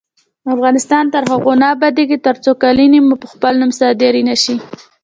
افغانستان تر هغو نه ابادیږي، ترڅو قالینې مو په خپل نوم صادرې نشي.